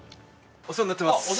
お世話になってます。